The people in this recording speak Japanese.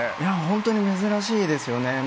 本当に珍しいですよね